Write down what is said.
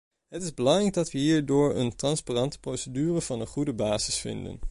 Het is belangrijk dat we hier door een transparante procedure een goede basis vinden.